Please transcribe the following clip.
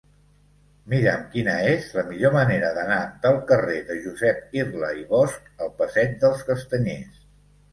Mira'm quina és la millor manera d'anar del carrer de Josep Irla i Bosch al passeig dels Castanyers.